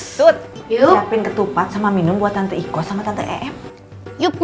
yuk yuk pin ketupat sama minum buat tante iko sama tante em